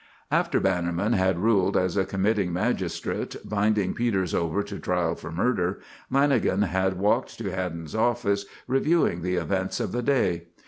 After Bannerman had ruled as a committing magistrate, binding Peters over to trial for murder, Lanagan had walked to Haddon's office, reviewing the events of the day.